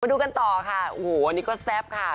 ดูกันต่อค่ะโอ้โหอันนี้ก็แซ่บค่ะ